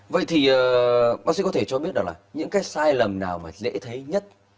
vậy thì bác sĩ có thể cho biết là những cái sai lầm nào mà dễ thấy nhất